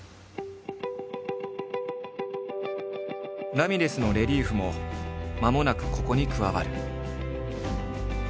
ラミレスのレリーフもまもなくここに加わる。